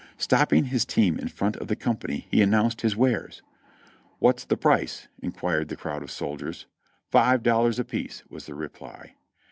Stopping his team in front of the company he announced his wares. "What's the price?" inquired the crowd of soldiers. "Five dollars apiece," was the reply.